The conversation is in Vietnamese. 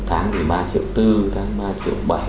tháng thì ba triệu bốn tháng ba triệu bảy